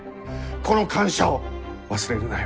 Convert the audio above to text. この感謝を忘れるなよ。